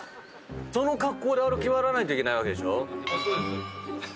その格好で歩き回らないといけないわけでしょ？